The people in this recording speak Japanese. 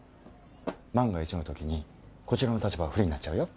万が一のときこちらの立場が不利になっちゃうよ？